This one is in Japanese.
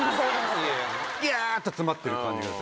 ビヤ！っと詰まってる感じがする。